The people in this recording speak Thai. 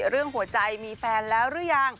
เรื่องหัวใจมีแฟนแล้วหรือยัง